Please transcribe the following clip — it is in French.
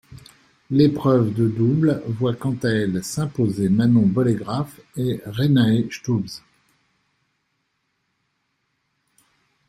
L'épreuve de double voit quant à elle s'imposer Manon Bollegraf et Rennae Stubbs.